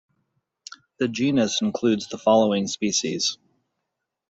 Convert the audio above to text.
The genus includes the following species.